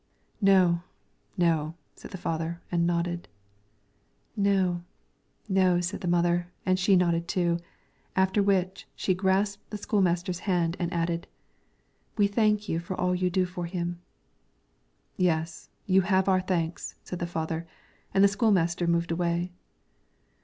"No, no," said the father, and nodded. "No, no," said the mother, and she nodded too; after which she grasped the school master's hand and added: "We thank you for all you do for him." "Yes, you have our thanks," said the father, and the school master moved away.